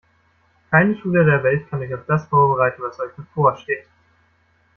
Keine Schule der Welt kann euch auf das vorbereiten, was euch bevorsteht.